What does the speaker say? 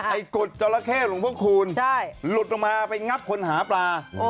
ไอ้กุฏจรเข้หลวงพวกคุณหลุดออกมาไปงับคนหาปลา